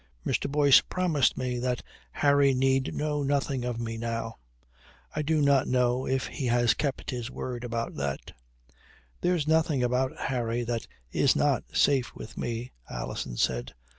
"Mr. Boyce promised me that Harry need know nothing of me now. I do not know if he has kept his word about that." "There's nothing about Harry that is not safe with me," Alison said.